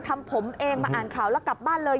ทำผมเองมาอ่านข่าวแล้วกลับบ้านเลย